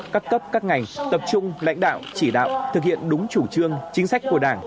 các cấp các ngành tập trung lãnh đạo chỉ đạo thực hiện đúng chủ trương chính sách của đảng